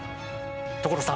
所さん！